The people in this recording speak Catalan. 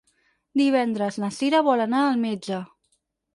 Divendres na Cira vol anar al metge.